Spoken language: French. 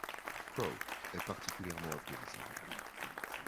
Crow est particulièrement imrpévisible.